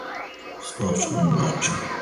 من ناتوانم لە یەک کاتدا سەرنجم لەسەر دوو شت بێت.